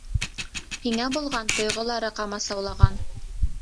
Һиңә булған тойғолары ҡамасаулаған.